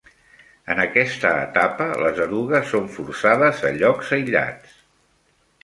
En aquesta etapa, les erugues són forçades a llocs aïllats.